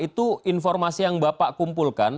itu informasi yang bapak kumpulkan